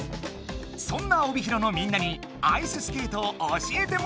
そんな帯広のみんなにアイススケートを教えてもらおう！